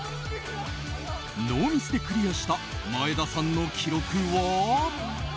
ノーミスでクリアした前田さんの記録は。